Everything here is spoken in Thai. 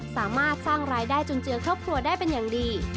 สามารถสร้างรายได้จุนเจือครอบครัวได้เป็นอย่างดี